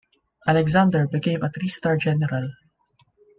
Alexander became a three-star general.